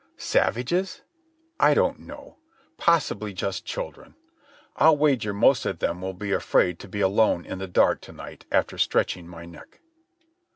Savages? I don't know. Possibly just children. I'll wager most of them will be afraid to be alone in the dark to night after stretching my neck.